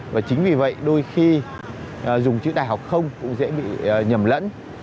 và chính vì vậy đôi khi dùng chữ đại học không cũng dễ bị nhầm lẫn